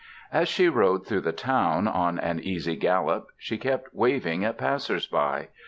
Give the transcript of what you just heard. As she rode through the town on an easy gallop she kept waving at passers by.